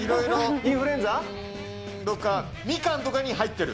インフルエンザ？とか、みかんとかに入ってる。